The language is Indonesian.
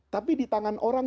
tapi di tangan orang